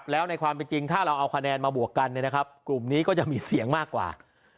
แล้วในความเป็นจริงถ้าเราเอาคะแนนมาบวกกันกลุ่มนี้ก็จะมีเสียงมากกว่า